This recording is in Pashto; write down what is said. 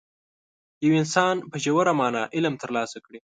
یو انسان په ژوره معنا علم ترلاسه کړي.